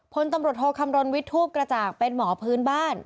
พลตำรวจโทคำรณวิทย์ทูปกระจ่างเป็นหมอพื้นบ้าน